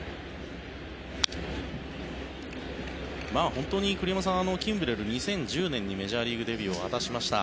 本当に栗山さん、キンブレル２０１０年にメジャーリーグデビューを果たしました。